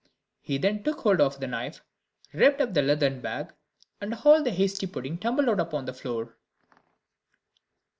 He then took hold of the knife, ripped up the leathern bag, and all the hasty pudding tumbled out upon the floor.